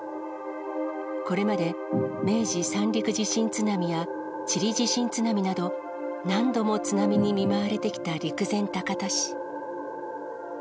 これまで明治三陸地震津波やチリ地震津波など、何度も津波に見舞われてきた陸前高田市。